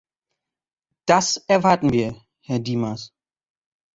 Das erwarten wir, Herr Dimas.